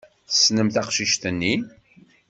Tessnem taqcict-nni?